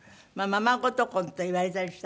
ままごと婚と言われたりした。